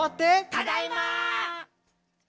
「ただいま！」